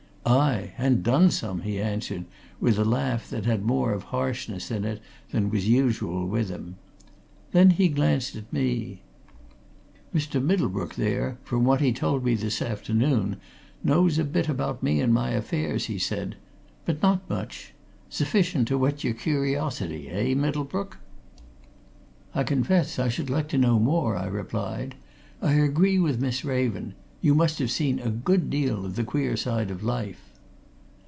"Aye and done some!" he answered, with a laugh that had more of harshness in it than was usual with him. Then he glanced at me. "Mr. Middlebrook, there, from what he told me this afternoon, knows a bit about me and my affairs," he said. "But not much. Sufficient to whet your curiosity, eh, Middlebrook?" "I confess I should like to know more," I replied. "I agree with Miss Raven you must have seen a good deal of the queer side of life."